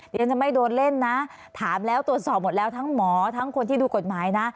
เดี๋ยวฉันจะไม่โดนเล่นนะถามแล้วตรวจสอบหมดแล้วทั้งหมอทั้งคนที่ดูกฎหมายนะ